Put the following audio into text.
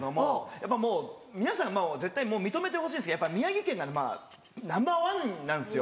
やっぱもう皆さん絶対認めてほしいんですけどやっぱ宮城県がまぁナンバーワンなんですよ。